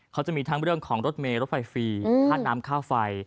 เขาจะมีทั้งเรื่องของรถเมลรถไฟฟรีค่าน้ำค่าไฟ